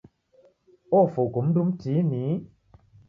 Ofwa uko mndu mtini.